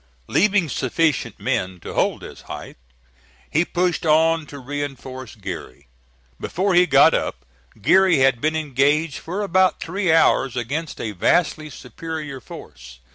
Leaving sufficient men to hold this height, he pushed on to reinforce Geary. Before he got up, Geary had been engaged for about three hours against a vastly superior force.